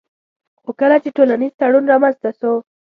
خو کله چي ټولنيز تړون رامنځته سو